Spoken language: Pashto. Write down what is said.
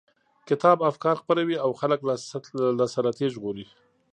کتاب افکار خپروي او خلک له سلطې ژغوري.